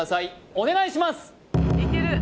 お願いします